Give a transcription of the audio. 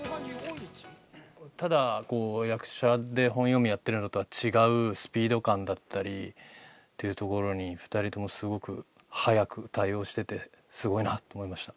ただ、役者で本読みやってるのとは違うスピード感だったりっていうところに２人ともすごく早く対応してて、すごいなって思いました。